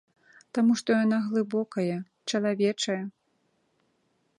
Таму што яна глыбокая, чалавечая.